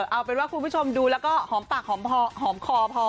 เอาเป็นว่าคุณผู้ชมดูแล้วก็หอมปากหอมคอพอ